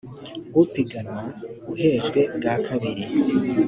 upiganwa uhejwe bwa kabiri